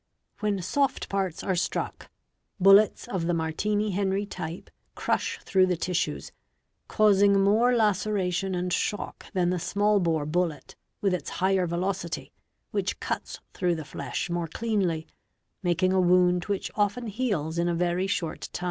'When soft parts are struck, bullets of the Martini Henry type crush — through the tissues, causing more laceration and shock than the small bore bullet, with its higher velocity, which cuts through the flesh more cleanly, making a wound which often heals in a very short time.